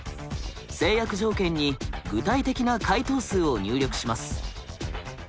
制約条件に具体的な回答数を入力します。